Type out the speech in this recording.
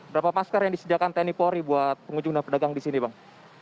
berapa masker yang disediakan tni polri buat pengunjung dan pedagang di sini bang